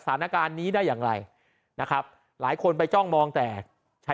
สถานการณ์นี้ได้อย่างไรนะครับหลายคนไปจ้องมองแต่ใช้